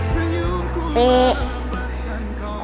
senyum ku bersambahkan kau